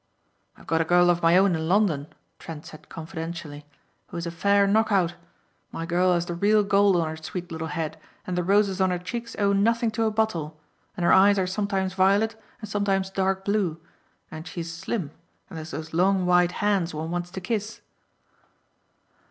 "I've got a girl of my own in London," Trent said confidentially, "who is a fair knock out. My girl has the real gold on her sweet little head and the roses on her cheeks owe nothing to a bottle and her eyes are sometimes violet and sometimes dark blue and she is slim and has those long white hands one wants to kiss."